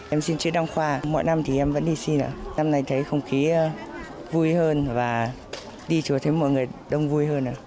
em xin chữ đông khoa mỗi năm thì em vẫn đi xin năm nay thấy không khí vui hơn và đi chỗ thấy mọi người đông vui hơn